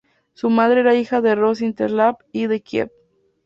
Su madre era hija de Rostislav I de Kiev.